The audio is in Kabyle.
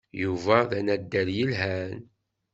Yuba d anaddal yelhan.